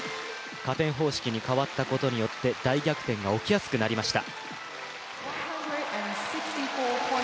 加点方式に変わったことによって大逆転が起きやすくなりました。